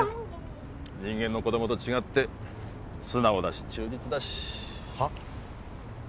人間の子供と違って素直だし忠実だしはッ？